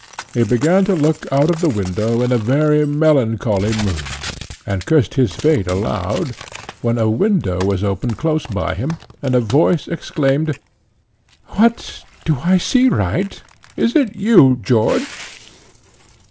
He began to look out of the window in a very melancholy mood, and cursed his fate aloud, when a window was opened close by him, and a voice exclaimed, "What! do I see right? Is it you, George?"